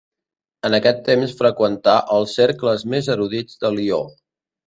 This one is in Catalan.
En aquest temps freqüentà els cercles més erudits de Lió.